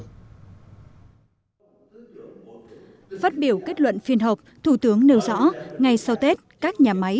phát biểu kết luận phiên họp thủ tướng nêu rõ ngay sau tết các nhà máy